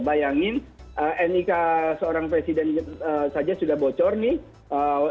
bayangin nik seorang presiden saja sudah bocor nih